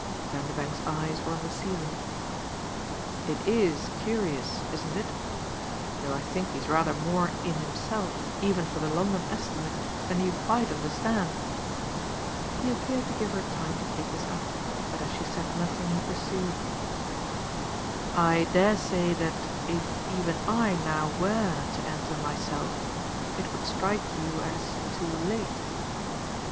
Vanderbank's eyes were on the ceiling. "It IS curious, isn't it? though I think he's rather more 'in himself,' even for the London estimate, than you quite understand." He appeared to give her time to take this up, but as she said nothing he pursued: "I dare say that if even I now WERE to enter myself it would strike you as too late."